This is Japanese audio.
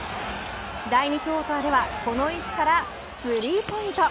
第２クオーターではこの位置からスリーポイント。